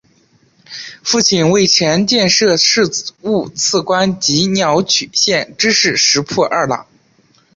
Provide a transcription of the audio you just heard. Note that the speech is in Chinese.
父亲为前建设事务次官及鸟取县知事石破二朗。